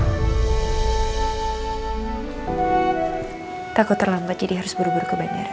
kita aku terlambat jadi harus buru buru ke bandara